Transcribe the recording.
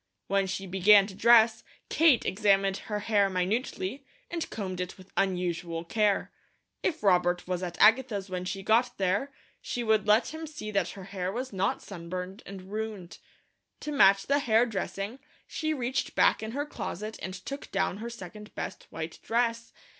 When she began to dress, Kate examined her hair minutely, and combed it with unusual care. If Robert was at Agatha's when she got there, she would let him see that her hair was not sunburned and ruined. To match the hair dressing, she reached back in her closet and took down her second best white dress.